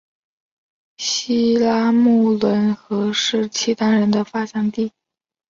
西拉木伦河是契丹人发祥地。